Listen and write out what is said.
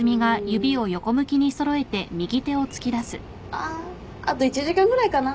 あああと１時間ぐらいかな。